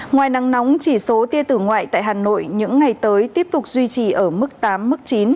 ngoài nắng nóng chỉ số tia tử ngoại tại hà nội những ngày tới tiếp tục duy trì ở mức tám mức chín